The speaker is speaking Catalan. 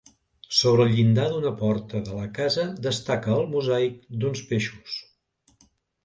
Sobre el llindar d'una porta de la casa destaca el mosaic d'uns peixos.